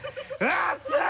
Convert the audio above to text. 熱い！